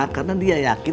karena dia yakin